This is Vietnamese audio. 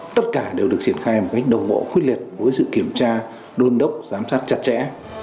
tất cả đều được triển khai một cách đồng bộ quyết liệt với sự kiểm tra đôn đốc giám sát chặt chẽ